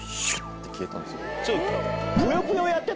て消えたんですよ。